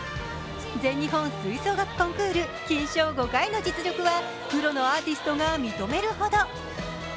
全日本吹奏楽コンクール金賞５回の実力派プロのアーティストが認めるほど。